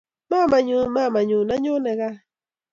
Mamanyu!mamanyu! anyone gaa!